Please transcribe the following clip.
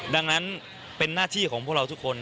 ดังนั้นเป็นหน้าที่ของพวกเราทุกคน